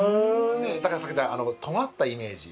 だからさっき言ったとがったイメージ。